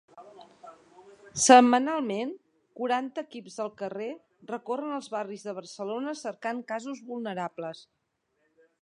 Setmanalment, quaranta equips de carrer recorren els barris de Barcelona cercant casos vulnerables.